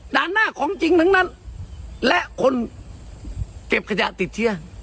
ด้านหน้าของจริงทั้งนั้นและคนเก็บขยะติดเชื้อ